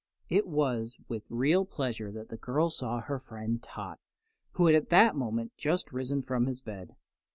It was with real pleasure that the girl saw her friend Tot, who had at that moment just risen from his bed.